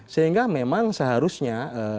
sehingga memang seharusnya